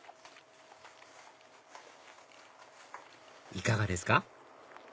いかがですか？